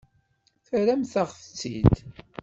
Terramt-aɣ-tt-id.